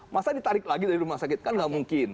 masalahnya ditarik lagi dari rumah sakit kan gak mungkin